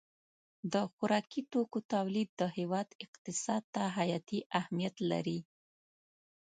د خوراکي توکو تولید د هېواد اقتصاد ته حیاتي اهمیت لري.